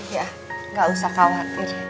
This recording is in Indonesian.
iya gak usah khawatir